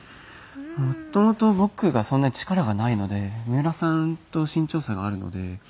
元々僕がそんなに力がないので三浦さんと身長差があるのでなんだろう。